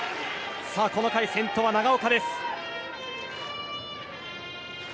この回先頭は長岡です。